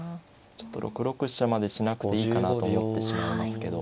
ちょっと６六飛車までしなくていいかなと思ってしまいますけど。